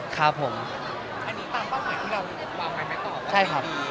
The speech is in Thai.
คราบผมใช่ครับ